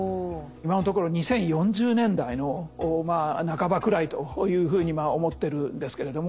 今のところ２０４０年代の半ばくらいというふうに思ってるんですけれども。